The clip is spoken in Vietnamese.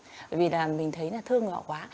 bởi vì là mình thấy là thương họ quá